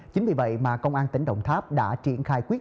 chính vì vậy mà công an tỉnh đồng tháp đã triển khai quyết